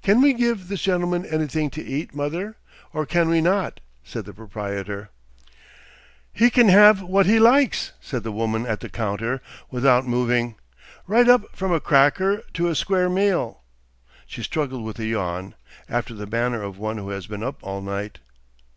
"Can we give this gentleman anything to eat, mother, or can we not?" said the proprietor. "He kin have what he likes?" said the woman at the counter, without moving, "right up from a cracker to a square meal." She struggled with a yawn, after the manner of one who has been up all night.